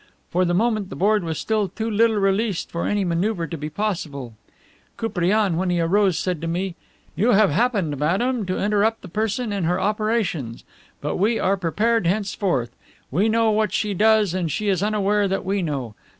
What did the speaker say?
For the moment the board was still too little released for any maneuver to be possible. Koupriane, when he rose, said to me, 'You have happened, madame, to interrupt the person in her operations. But we are prepared henceforth. We know what she does and she is unaware that we know.